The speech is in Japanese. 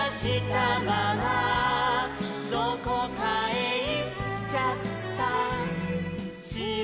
「どこかへいっちゃったしろ」